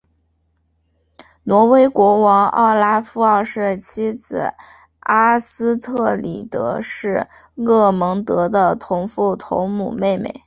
挪威国王奥拉夫二世的妻子阿斯特里德是厄蒙德的同父同母妹妹。